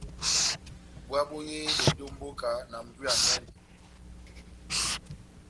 Búwa boyehidɛndi ó mbóka na mbwiya enɛnɛ.